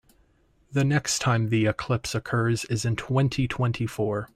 The next time the eclipse occurs is in twenty-twenty-four.